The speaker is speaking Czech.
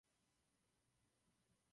Tu ovšem vytvořila samotná Evropská unie.